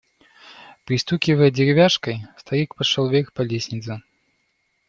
Пристукивая деревяшкой, старик пошел вверх по лестнице.